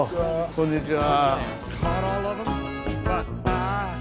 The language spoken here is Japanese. こんにちは。